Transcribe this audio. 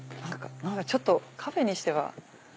何かちょっとカフェにしては。